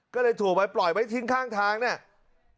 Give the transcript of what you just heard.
ก็เลยถูกไว้ปล่อยไว้ทิ้งข้างทางเนี่ย